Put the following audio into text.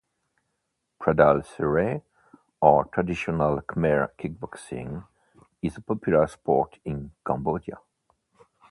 Pradal serey, or traditional Khmer kickboxing, is a popular sport in Cambodia.